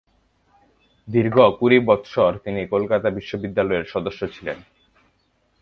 দীর্ঘ কুড়ি বৎসর তিনি কলকাতা বিশ্ববিদ্যালয়ের সদস্য ছিলেন।